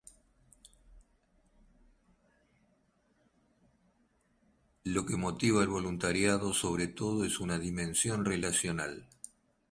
Lo que motiva el voluntariado sobre todo es una dimensión relacional.